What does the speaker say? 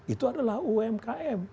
itu adalah umkm